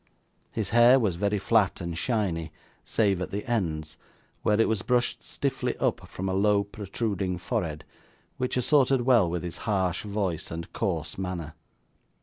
His hair was very flat and shiny, save at the ends, where it was brushed stiffly up from a low protruding forehead, which assorted well with his harsh voice and coarse manner.